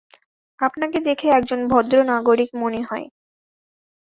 আপনাকে দেখে একজন ভদ্র নাগরিক মনে হয়।